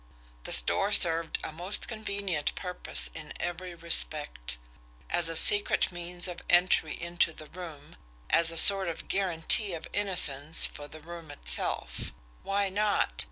The store served a most convenient purpose in every respect as a secret means of entry into the room, as a sort of guarantee of innocence for the room itself. Why not!